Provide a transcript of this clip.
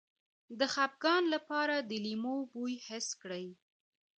د خپګان لپاره د لیمو بوی حس کړئ